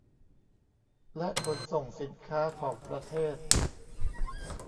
และขนส่งสินค้าของประเทศ